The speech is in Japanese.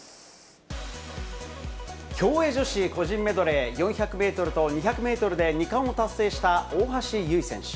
競泳女子個人メドレー４００メートルと２００メートルで２冠を達成した大橋悠依選手。